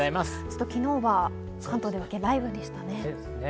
昨日は関東では雷雨でしたね。